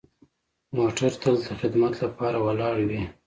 موټر تل د خدمت لپاره ولاړ وي.